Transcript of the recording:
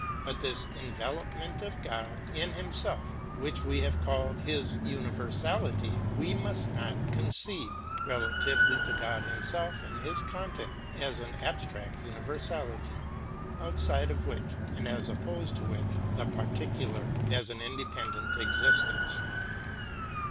But this envelopment of God in Himself which we have called His universality we must not conceive, relatively to God Himself and His content, as an abstract universality, outside of which, and as opposed to which, the particular has an independent existence.